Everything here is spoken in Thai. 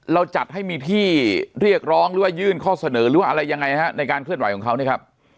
เราจัดให้มีที่เรียกร้องหรือว่ายื่นข้อเสนอหรือว่าอะไรยังไงฮะในการเคลื่อนไหวของเขาเนี่ยครับ